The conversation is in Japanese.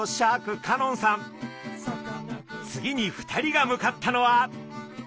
次に２人が向かったのは。